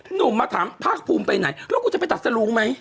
หนุ่มมาถามภาคภูมิไปไหนแล้วกูจะไปตัดสรุงไหม